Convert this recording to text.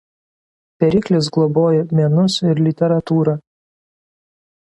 Periklis globojo menus ir literatūrą.